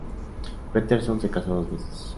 Peterson se casó dos veces.